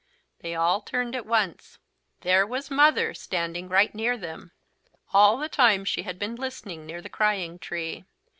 They all turned at once. There was Mother, standing right near them. All the time she had been listening, near the Crying Tree.